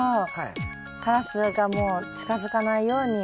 カラスがもう近づかないように。